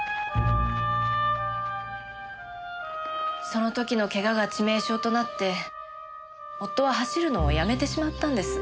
その時の怪我が致命傷となって夫は走るのをやめてしまったんです。